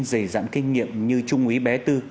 dày dạng kinh nghiệm như trung úy bé tư